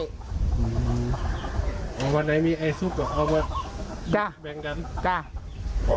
วันไหนมีไอซุปก็เอามา